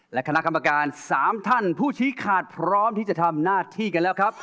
และคณะกรรมการ๓ท่านผู้ชี้ขาดพร้อมที่จะทำหน้าที่กันแล้วครับ